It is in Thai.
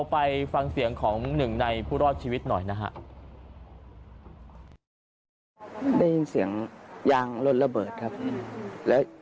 ไปฟังเสียงของหนึ่งในผู้รอดชีวิตหน่อยนะฮะ